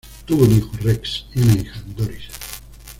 Tuvo un hijo, Rex, y una hija, Doris.